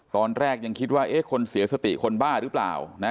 ตอนแรกยังคิดว่าคนเสียสติคนบ้าหรือเปล่านะ